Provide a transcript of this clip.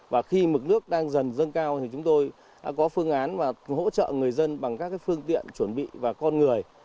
và khi mực nước đang dần dâng cao thì chúng tôi đã có phương án và hỗ trợ người dân bằng các phương tiện chuẩn bị và con người